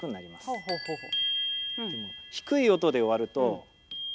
ほうほうほうほう。